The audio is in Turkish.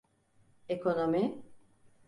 Ekonomi…